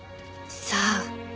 さあ。